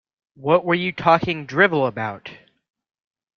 What were you talking drivel about?